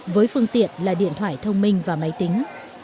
với phương tiện là điện thoại thông minh và máy tính